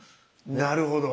なるほど。